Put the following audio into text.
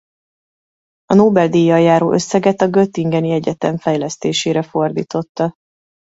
A Nobel-díjjal járó összeget a göttingeni egyetem fejlesztésére fordította.